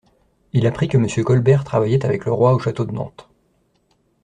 Il apprit là que Monsieur Colbert travaillait avec le roi au château de Nantes.